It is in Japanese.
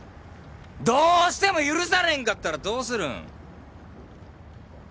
どうしても許されへんかったらどうするん？